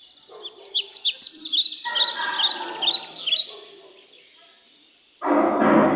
elfu mbili na nane na ilitokana na azimio la Umoja wa Mataifa la mwaka